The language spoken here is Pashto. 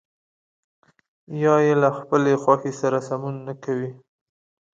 یا يې له خپلې خوښې سره سمون نه کوي.